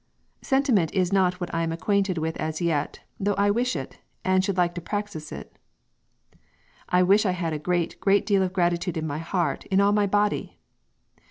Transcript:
"Sentiment is not what I am acquainted with as yet, though I wish it, and should like to practise it" (!) "I wish I had a great, great deal of gratitude in my heart, in all my body."